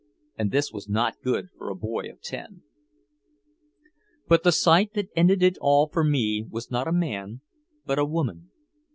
And this was not good for a boy of ten. But the sight that ended it all for me was not a man, but a woman.